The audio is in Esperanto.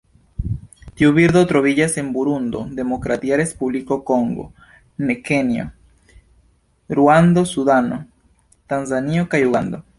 Tiu birdo troviĝas en Burundo, Demokratia Respubliko Kongo, Kenjo, Ruando, Sudano, Tanzanio kaj Ugando.